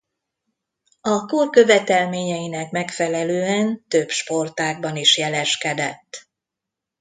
A kor követelményeinek megfelelően több sportágban is jeleskedett.